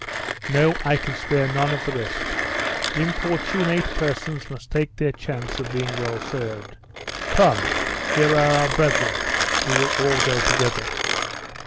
'No. I can spare none of the rest. Importunate persons must take their chance of being well served. Come here are our brethren; we will all go together.